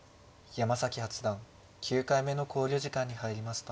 山崎八段９回目の考慮時間に入りました。